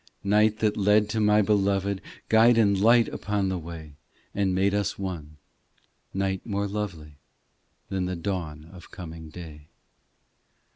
Night that led to my Beloved, Guide and light upon the way And made us one ; night more lovely Than the dawn of coming day.